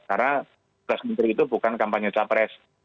karena tugas menteri itu bukan kampanye capres